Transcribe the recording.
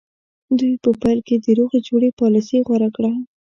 دوی په پیل کې د روغې جوړې پالیسي غوره کړه.